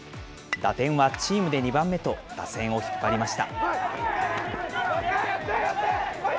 打点はチームで２番目と、打線を引っ張りました。